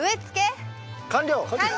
完了！